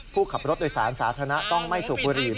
ผู้ขับรถโดยสารสาธารณะต้องไม่สูบบุหรี่